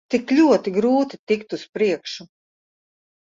Tik ļoti grūti tikt uz priekšu.